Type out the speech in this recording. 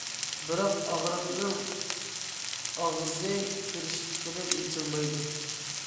بىراق ئاغرىقنىڭ ئاغزى كىرىشىپ قېلىپ ئېچىلمايدۇ.